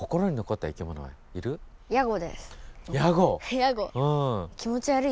ヤゴ。